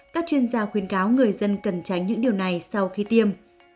các chuyên gia khuyến cáo người dân cần tránh những điều này sau khi tiêm